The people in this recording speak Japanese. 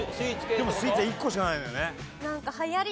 でもスイーツは１個しかないのよね。